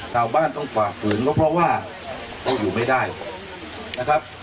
ชาวบ้านต้องฝ่าฝืนก็เพราะว่าเราอยู่ไม่ได้นะครับ